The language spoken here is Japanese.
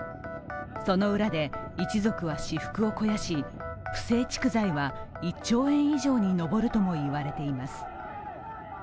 その裏で一族は私腹を肥やし、不正蓄財は１兆円以上に上るとも言われています。